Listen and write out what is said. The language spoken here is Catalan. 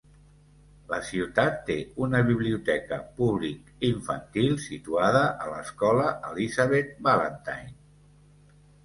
La ciutat té una biblioteca públic infantil situada a l'escola Elizabeth Ballantyne.